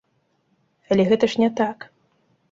Але гэта ж не так!